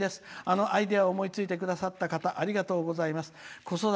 あのアイデアを思いついてくださった方ありがとうございます。